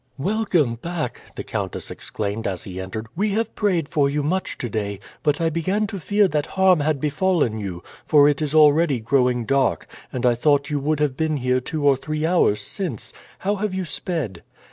"Welcome back," the countess exclaimed, as he entered. "We have prayed for you much today, but I began to fear that harm had befallen you; for it is already growing dark, and I thought you would have been here two or three hours since. How have you sped?"